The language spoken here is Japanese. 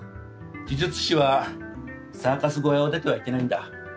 奇術師はサーカス小屋を出てはいけないんだ。